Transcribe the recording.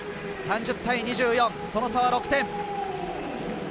３０対２４、その差は６点。